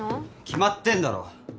決まってんだろ。